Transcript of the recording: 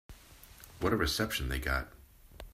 What a reception they got.